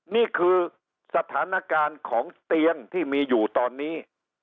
นี่คือสถานการณ์ของเตียงที่มีอยู่ตอนนี้